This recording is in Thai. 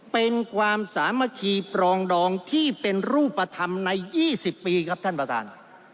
เป็นความสามัคคีปรองดองที่เป็นรูปธรรมใน๒๐ปีครับท่านประธาน